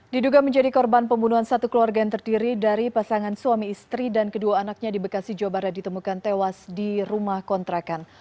diduga menjadi korban pembunuhan satu keluarga yang terdiri dari pasangan suami istri dan kedua anaknya di bekasi jawa barat ditemukan tewas di rumah kontrakan